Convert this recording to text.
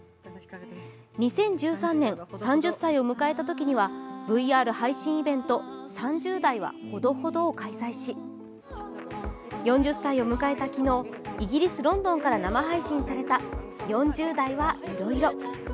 ２０１３年、３０歳を迎えたときには、ＶＲ 配信イベント「３０代はほどほど」を開催し４０歳を迎えた昨日、イギリス・ロンドンから生配信された「４０代はいろいろ」。